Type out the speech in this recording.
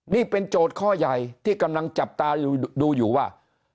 นี่เป็นโจทย์ข้อใหญ่ที่กำลังจับตาดูอยู่ว่า